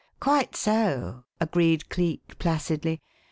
"Quite so," agreed Cleek placidly.